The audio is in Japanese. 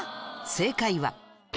正解は。